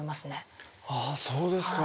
ああそうですかあ。